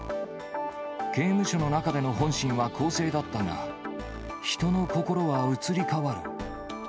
刑務所の中での本心は更生だったが、人の心は移り変わる。